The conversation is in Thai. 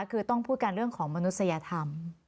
คือต้องพูดกันเรื่องของมนุษยธรรม